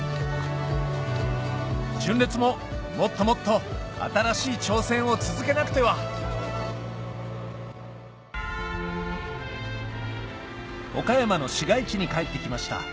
純烈ももっともっと新しい挑戦を続けなくては岡山の市街地に帰って来ました